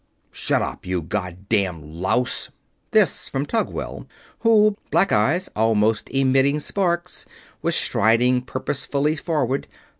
"Shut up, you God damned louse!" This from Tugwell, who, black eyes almost emitting sparks, was striding purposefully forward.